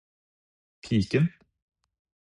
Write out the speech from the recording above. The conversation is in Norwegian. piken